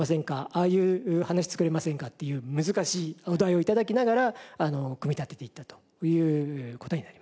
「ああいう話作れませんか？」っていう難しいお題を頂きながら組み立てていったという事になります。